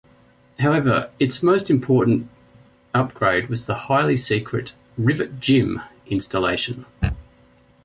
However its most important upgrade was the highly secret "Rivet Gym" installation.